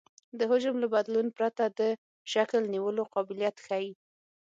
د حجم له بدلون پرته د شکل نیولو قابلیت ښیي